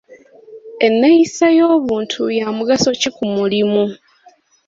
Enneeyisa ey'obuntu ya mugaso ki ku mulimu?